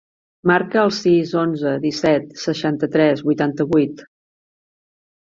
Marca el sis, onze, disset, seixanta-tres, vuitanta-vuit.